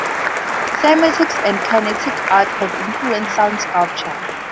Cymatics and kinetic art have influenced sound sculpture.